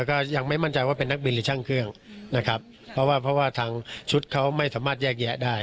ก็ยังไม่มั่นใจว่าเป็นนักบินหรือช่างเครื่องนะครับเพราะว่าเพราะว่าทางชุดเขาไม่สามารถแยกแยะได้